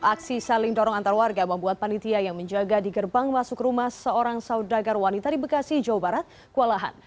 aksi saling dorong antar warga membuat panitia yang menjaga di gerbang masuk rumah seorang saudagar wanita di bekasi jawa barat kewalahan